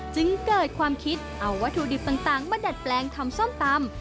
จึงเกิดความคิดเอาวัตถุดิบต่างมาดัดแปลงทำส้มตำ